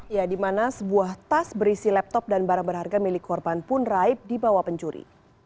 ya di mana sebuah tas berisi laptop dan barang berharga milik korban pun raib di bawah pencuri